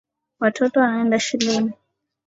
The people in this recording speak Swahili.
Watoto wanaenda shuleni.